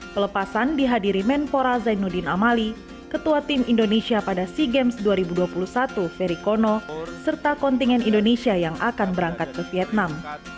pelepasan dihadiri menpora zainuddin amali ketua tim indonesia pada sea games dua ribu dua puluh satu ferry kono serta kontingen indonesia yang akan berangkat ke vietnam